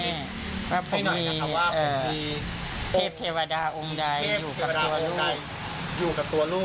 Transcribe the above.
ให้หน่อยนะคะว่าควรมีเขตเทวดาองค์ใดอยู่ตัวลูก